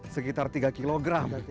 sekitar tiga kg